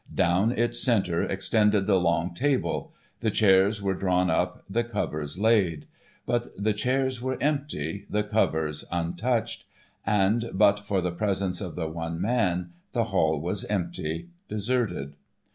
Down its center extended the long table. The chairs were drawn up, the covers laid. But the chairs were empty, the covers untouched; and but for the presence of the one man the hall was empty, deserted.